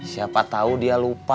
siapa tau dia lupa